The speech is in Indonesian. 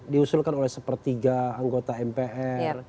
diusulkan oleh sepertiga anggota mpr